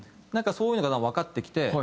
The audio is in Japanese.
なんかそういうのがわかってきて。